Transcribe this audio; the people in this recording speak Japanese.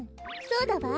そうだわ。